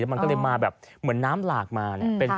มันก็เลยมาแบบเหมือนน้ำหลากมา